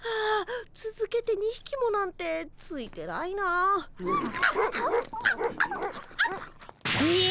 つづけて２ひきもなんてついてないな。え！？